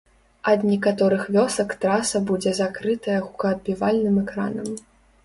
Ад некаторых вёсак траса будзе закрытая гукаадбівальным экранам.